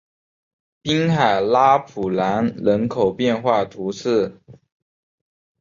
滨海拉普兰人口变化图示